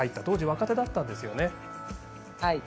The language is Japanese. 当時、若手だったんですよね。